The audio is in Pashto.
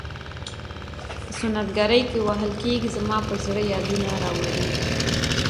په سنت ګرۍ کې وهل کیږي زما پر زړه یادونه راوریږي.